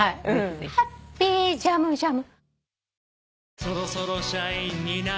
「ハッピー！ジャムジャム」